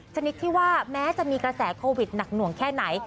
ชนิดที่ว่าแม้จะมีกระแสโควิดหนักหน่วงแค่ไหน